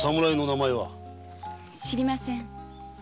知りません。